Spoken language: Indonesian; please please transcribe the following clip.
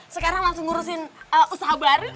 sekarang langsung ngurusin usaha baru